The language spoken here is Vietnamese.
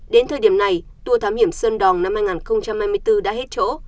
đến thời điểm này tour thám hiểm sơn đòn năm hai nghìn hai mươi bốn đã hết chỗ